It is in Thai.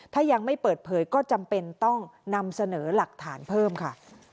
ถ้ายังไม่เปิดเผยก็จำเป็นต้องนำเสนอหลักฐานเพิ่มค่ะ